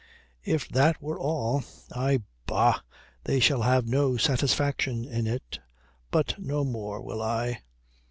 "If that were all! Ah, bah, they shall have no satisfaction in it. But no more will I..."